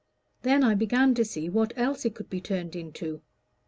Then I began to see what else it could be turned into.